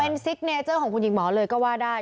เป็นซิกเนเจอร์ของคุณหญิงหมอเลยก็ว่าได้